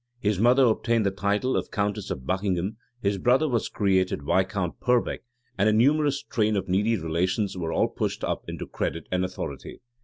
His mother obtained the title of countess of Buckingham: his brother was created Viscount Purbeck; and a numerous train of needy relations were all pushed up into credit and authority.